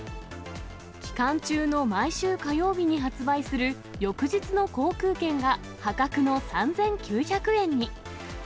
期間中の毎週火曜日に発売する翌日の航空券が破格の３９００円に。